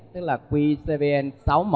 tức là qcbn sáu mươi một hai nghìn một mươi